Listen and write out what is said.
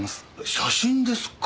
写真ですか。